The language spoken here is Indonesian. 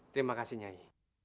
terima kasih nyai